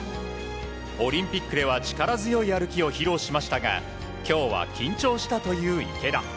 オリンピックでは力強い歩きを披露しましたが今日は緊張したという池田。